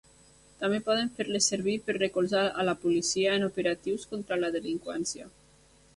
També poden fer-les servir per recolzar a la policia en operatius contra la delinqüència.